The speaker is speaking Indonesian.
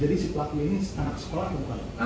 jadi si pelaku ini anak sekolah atau bukan